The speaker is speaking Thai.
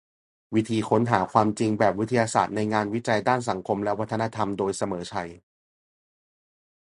วิธีค้นหาความจริงแบบวิทยาศาสตร์ในงานวิจัยด้านสังคมและวัฒนธรรม โดย เสมอชัย